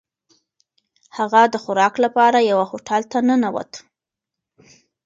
هغه د خوراک لپاره یوه هوټل ته ننووت.